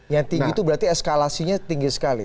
yang tinggi itu berarti eskalasinya tinggi sekali